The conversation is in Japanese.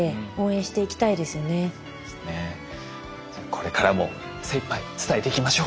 これからも精いっぱい伝えていきましょう。